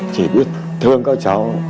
chỉ biết thương cho cháu